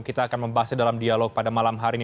kita akan membahasnya dalam dialog pada malam hari ini